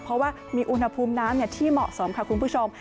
เพราะว่ามีอุณหภูมิน้ำที่เหมาะสมค่ะคุณผู้ชม